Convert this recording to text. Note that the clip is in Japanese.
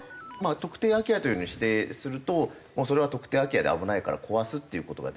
特定空き家というのに指定するとそれは特定空き家で危ないから壊すっていう事ができると。